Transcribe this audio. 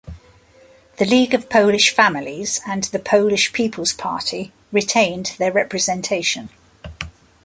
The League of Polish Families and the Polish People's Party retained their representation.